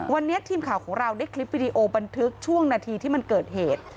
วันนี้ทีมข่าวของเราได้คลิปวิดีโอบันทึกช่วงนาทีที่มันเกิดเหตุ